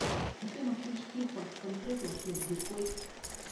Атемақәа ишьҭихуа конкретла нап диркуеит.